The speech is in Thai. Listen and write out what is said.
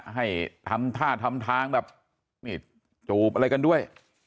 ให้ทำท่าทำทางแบบนี่จูบอะไรกันด้วย